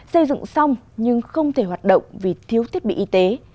xây dựng xong nhưng không thể hoạt động vì thiếu thiết bị y tế